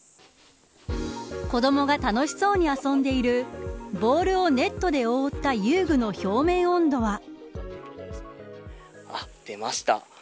子どもが楽しそうに遊んでいるボールをネットで覆った遊具の表面温度は。出ました。